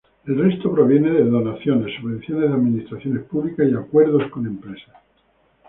El resto proviene de donaciones, subvenciones de administraciones públicas y acuerdos con empresas.